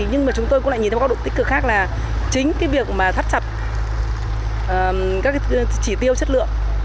nhưng mà chúng tôi cũng lại nhìn thấy một góc độ tích cực khác là chính việc thắt chặt các chỉ tiêu chất lượng